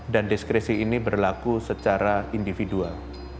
dan diskresi ini berlaku secara individual